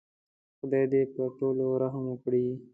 خدای دې پر ټولو رحم وکړي.